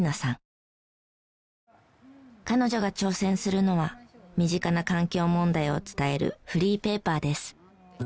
彼女が挑戦するのは身近な環境問題を伝えるフリーペーパーです。